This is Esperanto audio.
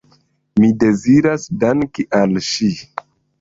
Mi deziras danki al ŝi.